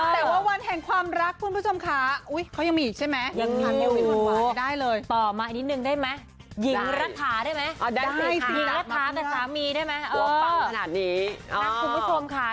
แต่ว่าวันแห่งความรักคุณผู้ชมค่ะ